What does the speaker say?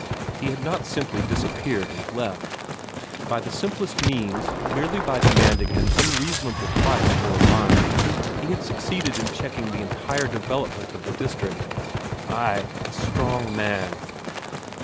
He had not simply disappeared and left. By the simplest means, merely by demanding an unreasonable price for a mine, he had succeeded in checking the entire development of the district. Ay, a strong man!